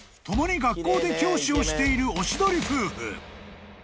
共に学校で教師をしているおしどり夫婦］